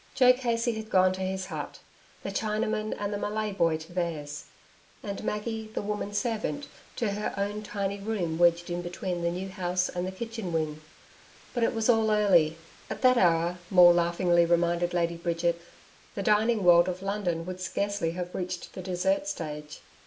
Joe Casey had gone to his hut, the Chinaman and the Malay boy to theirs, and Maggie, the woman servant, to her own tiny room wedged in between the new house and the kitchen wing. But it was all early. At that hour, Maule laughingly reminded Lady Bridget, the dining world of London would scarcely have reached the dessert stage.